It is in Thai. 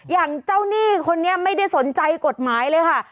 อย่างเจ้าหนี้คนนี้ไม่ได้สนใจกฎหมายเลยค่ะ